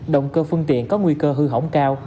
động cơ phương tiện có nguy cơ hư hỏng cao